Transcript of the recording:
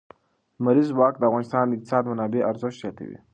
لمریز ځواک د افغانستان د اقتصادي منابعو ارزښت زیاتوي.